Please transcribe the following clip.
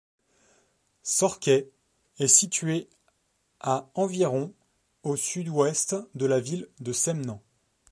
Sorkheh est située à environ au sud-ouest de la ville de Semnan.